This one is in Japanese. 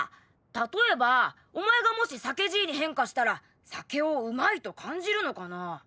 例えばお前がもし酒爺に変化したら酒をうまいと感じるのかなぁ。